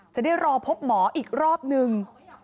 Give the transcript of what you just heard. จะได้รอพบหมออีกรอบนึง